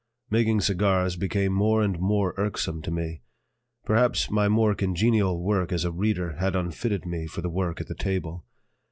Making cigars became more and more irksome to me; perhaps my more congenial work as a "reader" had unfitted me for work at the table.